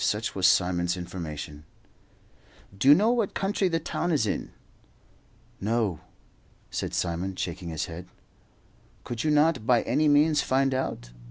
Such was Simon's information. "Do you know what country the town is in?" "No," said Simon, shaking his head. "Could you not by any means find out?